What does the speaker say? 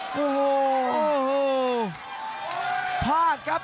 โอ้โหเดือดจริงครับ